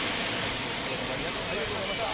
プロ、今日はありがとうございました。